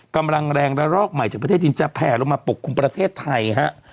กำลังแรงระลอกใหม่จากประเทศจีนจะแผลลงมาปกคลุมประเทศไทยฮะ